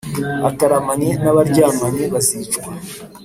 ataramanye na baryamanye bazicwa